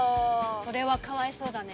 それはかわいそうだね。